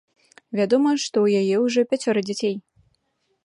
Вядома, што ў яе ўжо пяцёра дзяцей.